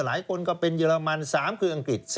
หลายคนก็เป็นเยอรมัน๓คืออังกฤษ